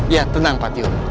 ya tenang pak tiyun